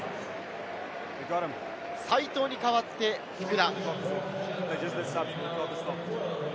齋藤に代わって福田。